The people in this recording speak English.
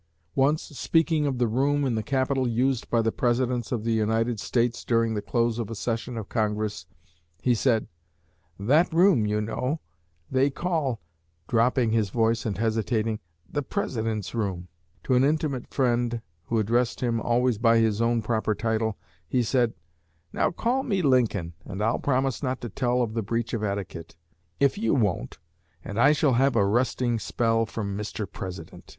Once, speaking of the room in the Capitol used by the Presidents of the United States during the close of a session of Congress, he said, 'That room, you know, that they call' dropping his voice and hesitating 'the President's room.' To an intimate friend who addressed him always by his own proper title, he said, 'Now call me Lincoln, and I'll promise not to tell of the breach of etiquette if you, won't and I shall have a resting spell from "Mister President."'